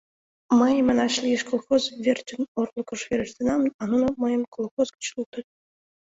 Мый, манаш лиеш, колхоз верчын орлыкыш верештынам, а нуно мыйым колхоз гыч луктыт...